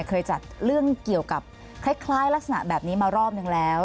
เคยจัดเรื่องเกี่ยวกับคล้ายลักษณะแบบนี้มารอบนึงแล้ว